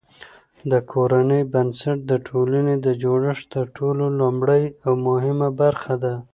د کورنۍ بنسټ د ټولني د جوړښت تر ټولو لومړۍ او مهمه برخه ده.